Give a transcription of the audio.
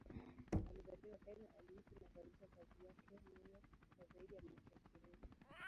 Alizaliwa Kenya, aliishi na kuanzisha kazi zake New York kwa zaidi ya miaka ishirini.